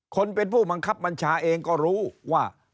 คนเป็นผู้บังคับบัญชาเองก็รู้ว่า